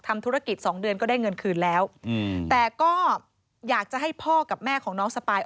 ทำธุรกิจสองเดือนก็ได้เงินคืนแล้วแต่ก็อยากจะให้พ่อกับแม่ของน้องสปาย